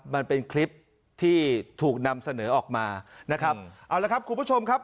มันเป็นคลิปที่ถูกนำเสนอออกมานะครับเอาละครับคุณผู้ชมครับ